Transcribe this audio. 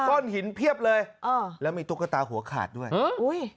ก้อนหินเพียบเลยอ่าแล้วมีตุ๊กตาหัวขาดด้วยเอออุ้ย